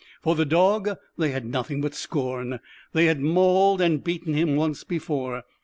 For the dog they had nothing but scorn. They had mauled and beaten him once before.